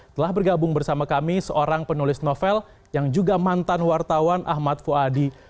telah bergabung bersama kami seorang penulis novel yang juga mantan wartawan ahmad fuadi